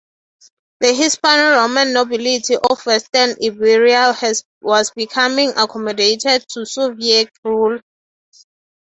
The Hispano-Roman nobility of western Iberia was becoming accommodated to Suevic rule.